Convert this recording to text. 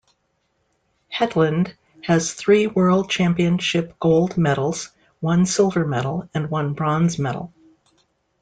Hetland has three World championship gold medals, one silver medal and one bronze medal.